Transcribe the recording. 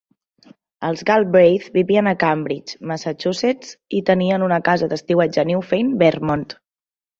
Els Galbraiths vivien a Cambridge, Massachusetts, i tenien una casa d'estiueig a Newfane, Vermont.